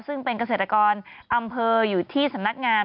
ซึ่งเป็นเกษตรกรอำเภออยู่ที่สำนักงาน